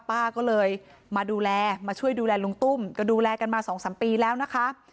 ป้าก็เลยมาดูแลมาช่วยดูแลลุงตุ้มก็ดูแลกันมาสองสามปีแล้วนะคะ